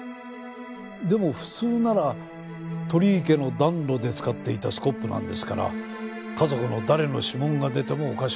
でも普通なら鳥居家の暖炉で使っていたスコップなんですから家族の誰の指紋が出てもおかしくないはず。